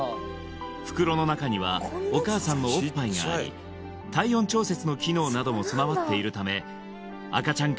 袋の中にはお母さんのおっぱいがあり体温調節の機能なども備わっているため赤ちゃん